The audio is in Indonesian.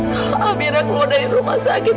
kalau abira keluar dari rumah sakit